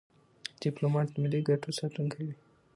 ډيپلومات د ملي ګټو ساتونکی وي.